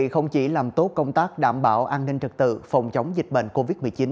không chỉ làm tốt công tác đảm bảo an ninh trật tự phòng chống dịch bệnh covid một mươi chín